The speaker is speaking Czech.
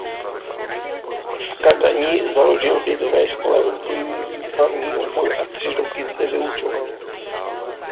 V Kadani založil v Lidové škole umění výtvarný obor a tři roky zde vyučoval.